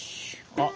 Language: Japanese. あっ。